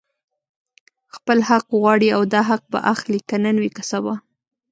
خپل حق غواړي او دا حق به اخلي، که نن وو که سبا